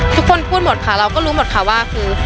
ทุกคนพูดหมดค่ะเราก็รู้หมดค่ะว่าคือ